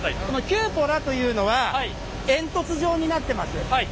キューポラというのは煙突状になってます。